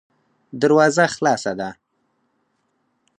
دروازه خلاصه ده.